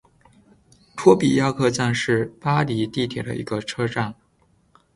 托比亚克站是巴黎地铁的一个车站。